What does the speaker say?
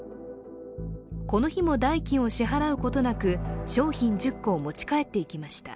この日も代金を支払うことなく商品１０個を持ち帰っていきました。